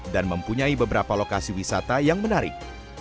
dan mempunyai beberapa lokasi wisata yang menarik